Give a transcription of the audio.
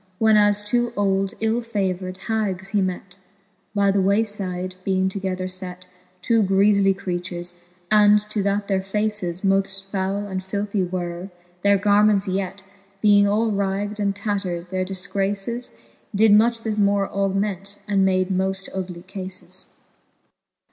When as two old ill favour'd hags he met, By the way fide being together fet. Two griefly creatures ; and, to that their faces Moft foule and filthie were, their garments yet Being all ragd and tatter'd, their difgraces Did much the more augment, and made moft ugly cafes.